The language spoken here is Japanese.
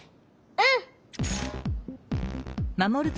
うん！